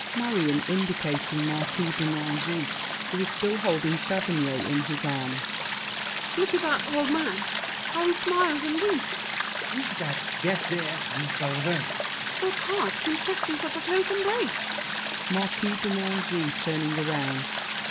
MARION (indicating Marquis de Nangis, who is still holding Saverny in his arms). Look at that old man, how he smiles and weeps! LAFFEMAS. Is that Gaspard de Saverny? MARION. What heart Can question such a close embrace? MARQUIS DE NANGIS (turning around).